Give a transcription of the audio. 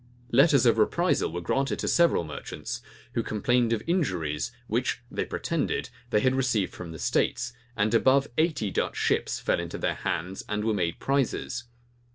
Letters of reprisal were granted to several merchants, who complained of injuries which, they pretended, they had received from the states; and above eighty Dutch ships fell into their hands, and were made prizes.